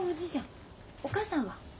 お母さんは？